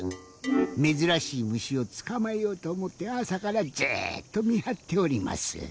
めずらしいむしをつかまえようとおもってあさからずっとみはっております。